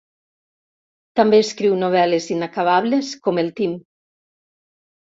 També escriu novel·les inacabables, com el Tim.